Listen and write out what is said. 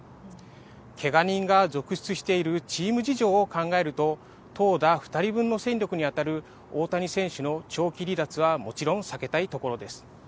けが人が続出しているチーム事情を考えると投打２人分の戦力にあたる大谷選手の長期離脱はもちろん避けたいところです。